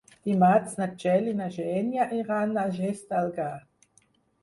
Dimarts na Txell i na Xènia iran a Xestalgar.